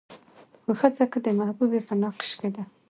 خو ښځه که د محبوبې په نقش کې ده